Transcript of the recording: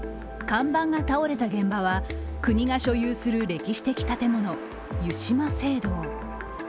看板が倒れた現場は国が所有する歴史的建物、湯島聖堂。